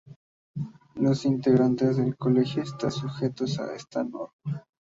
Los integrantes del colegio están sujetos a esta norma.